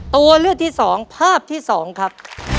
ตัวเลือกที่๒ภาพที่๒ครับ